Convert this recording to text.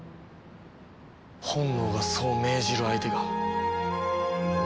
本能がそう命じる相手が。